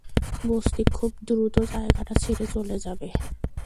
বসতি খুব দ্রুত জায়গাটা ছেড়ে চলে যাবে।